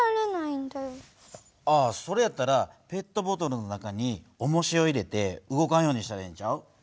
それやったらペットボトルの中におもしを入れて動かんようにしたらええんちゃう？